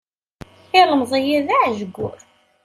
Ilemẓi-a d aɛejgur.